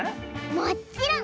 もっちろん！